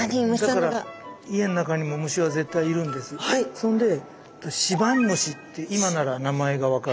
そんでシバンムシって今なら名前が分かるけど。